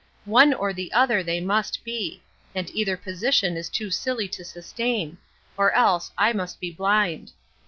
One or the other they must be and either position is too silly to sustain or else I must be blind.